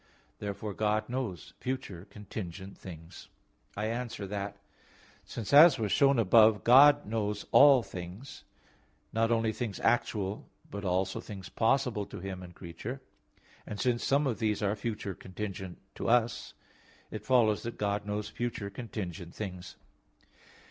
Therefore God knows future contingent things. I answer that, Since as was shown above (A. 9), God knows all things; not only things actual but also things possible to Him and creature; and since some of these are future contingent to us, it follows that God knows future contingent things.